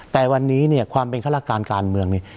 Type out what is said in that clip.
แต่วันนี้เนี่ยความเป็นฆาตการการเมืองเนี่ย